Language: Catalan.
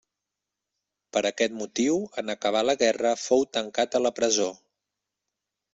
Per aquest motiu en acabar la guerra fou tancat a la presó.